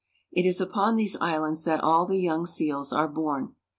It is upon these islands that all the young seals are born.